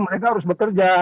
mereka harus bekerja